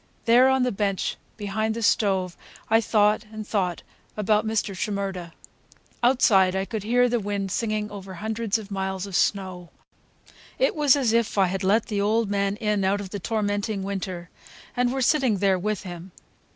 There, on the bench behind the stove, I thought and thought about Mr. Shimerda. Outside I could hear the wind singing over hundreds of miles of snow. It was as if I had let the old man in out of the tormenting winter, and were sitting there with him.